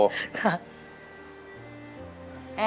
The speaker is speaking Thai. ค่ะ